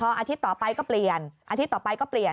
อาทิตย์ต่อไปก็เปลี่ยนอาทิตย์ต่อไปก็เปลี่ยน